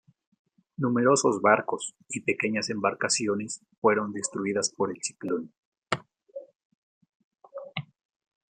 Numerosos barcos y pequeñas embarcaciones fueron destruidas por el ciclón.